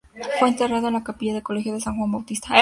Fue enterrado en la capilla del Colegio de san Juan Bautista.